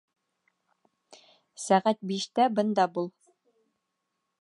Сәғәт биштә бында бул!